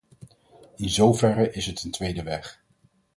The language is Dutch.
In zoverre is het een tweede weg.